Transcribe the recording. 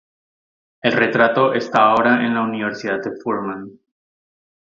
El retrato está ahora en la Universidad de Furman.